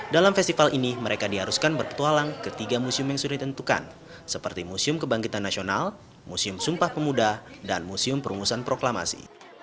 dalam festival ini mereka diharuskan berpetualang ke tiga museum yang sudah ditentukan seperti museum kebangkitan nasional museum sumpah pemuda dan museum perumusan proklamasi